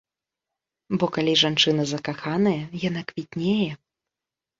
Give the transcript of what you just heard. Бо калі жанчына закаханая, яна квітнее.